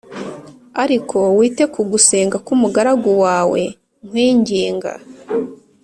ariko wite ku gusenga k’umugaragu wawe nkwinginga,